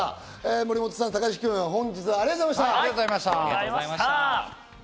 森本さん、高岸君、本日はありがとうございました。